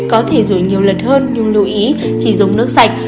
có thể rủ nhiều lần hơn nhưng lưu ý chỉ dùng nước sạch